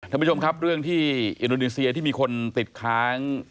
ท่านผู้ชมครับเรื่องที่อินโดนีเซียที่มีคนติดค้าง